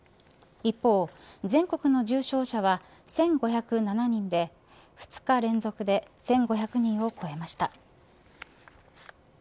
一方、全国の重症者は１５０７人で２日連続で１５００人を超えました。